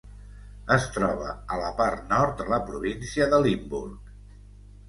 Es troba a la part nord de la província de Limburg.